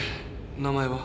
名前は？